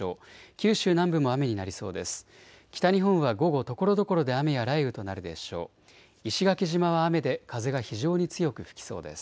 九州南部も雨になりそうです。